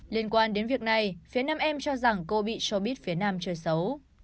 liên quan đến việc này phía nam em cho rằng cô bị showbiz phía nam chơi xấu